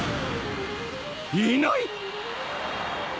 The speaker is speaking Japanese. いない！？